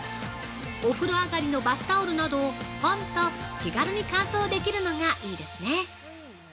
お風呂上がりのバスタオルなどぽんと気軽に乾燥できるのがいいですね。